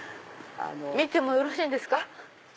見てもよろしいんですか。